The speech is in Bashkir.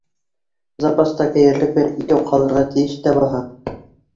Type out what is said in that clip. Запаста кейерлек бер икәү ҡалырға тейеш тә баһа!